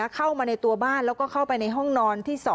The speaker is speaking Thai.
เข้ามาในตัวบ้านแล้วก็เข้าไปในห้องนอนที่๒